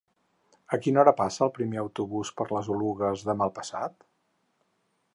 A quina hora passa el primer autobús per les Oluges demà passat?